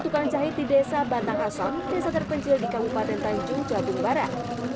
tukang jahit di desa batang hasan desa terpencil di kabupaten tanjung jabung barat